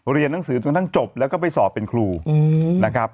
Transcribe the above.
เรียนหนังสือจนทั้งจบแล้วก็ไปสอบเป็นครูนะครับ